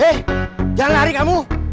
eh jangan lari kamu